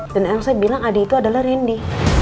dan yang saya bilang adi itu adalah randy